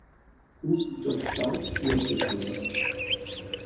Cook, George Stults i Ashley Peldon.